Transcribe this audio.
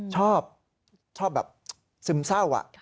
ชอบแบบซึมเศร้าอะ